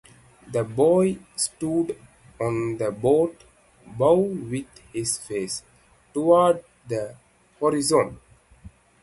The boy stood on the boat bow with his face toward the horizon.